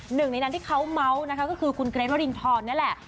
หนึ่งในนั้นที่เขาเมาส์นะคะก็คือคุณเกรทวรินทรนี่แหละ